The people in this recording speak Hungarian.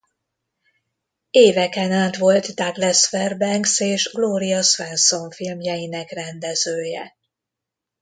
Éveken át volt Douglas Fairbanks és Gloria Swanson filmjeinek rendezője.